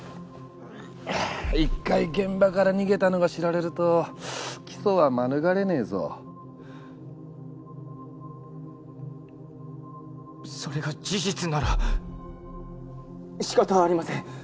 ああ一回現場から逃げたのが知られると起訴は免れねぇぞそれが事実ならしかたありません。